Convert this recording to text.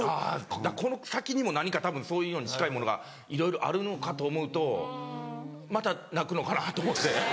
だからこの先にも何かたぶんそういうのに近いものがいろいろあるのかと思うとまた泣くのかなと思って。